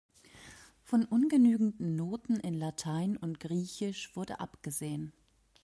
Von ungenügenden Noten in Latein und Griechisch wurde abgesehen.